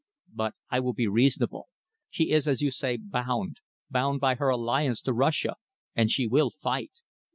But I will be reasonable. She is, as you say, bound bound by her alliance to Russia, and she will fight.